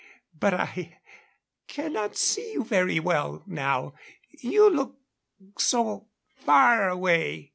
But I cannot see you very well now. You look so far away."